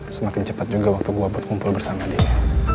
semakin cepat juga waktu gue buat kumpul bersama dia